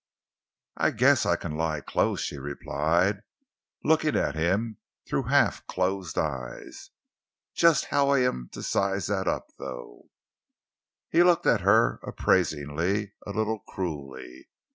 "I guess I can lie close," she replied, looking at him through half closed eyes. "Just how am I to size that up, though?" He looked at her appraisingly, a little cruelly.